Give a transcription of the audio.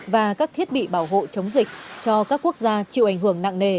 và các thiết bị bảo hộ chống dịch cho các quốc gia chịu ảnh hưởng nặng nề